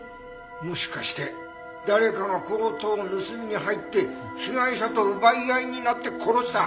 もしかして誰かがコートを盗みに入って被害者と奪い合いになって殺した？